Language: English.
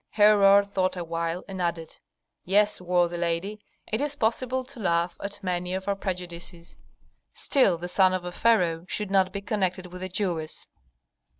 Herhor thought awhile, and added, "Yes, worthy lady! It is possible to laugh at many of our prejudices; still the son of a pharaoh should not be connected with a Jewess."